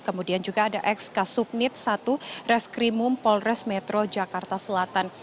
kemudian juga ada ex kasubnit satu reskrimum polres metro jakarta selatan